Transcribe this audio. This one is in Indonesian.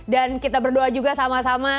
dan kita berdoa juga sama sama